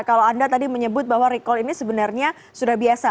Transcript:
kalau anda tadi menyebut bahwa recall ini sebenarnya sudah biasa